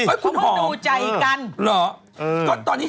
เขาดูใจกันเออคุณหอมหรอ